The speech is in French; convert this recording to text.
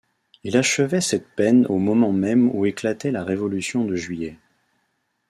Il achevait cette peine au moment même où éclatait la Révolution de juillet.